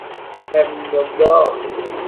امینالله